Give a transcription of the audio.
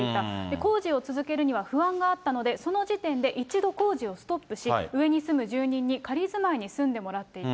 工事を続けるには不安があったので、その時点で一度工事をストップし、上に住む住人に、仮住まいに住んでもらっていた。